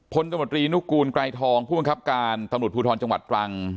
ตมตรีนุกูลไกรทองผู้บังคับการตำรวจภูทรจังหวัดตรัง